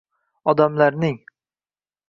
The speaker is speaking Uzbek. Odamlarning